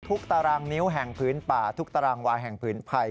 ทุกตารางนิ้วแห่งพื้นป่าทุกตารางวาแห่งพื้นภัย